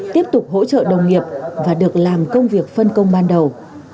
tiếp tục hỗ trợ đồng nghiệp và được làm công việc phân công ban đầu